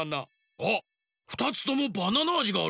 あっ２つともバナナあじがある！